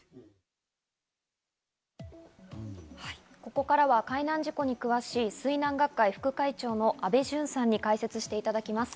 ここからは海難事故に詳しい水難学会副会長の安倍淳さんに解説していただきます。